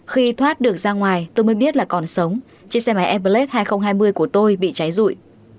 khi thoát được ra ngoài tôi mới biết là còn sống chiếc xe máy airblade hai nghìn hai mươi của tôi bị cháy rụi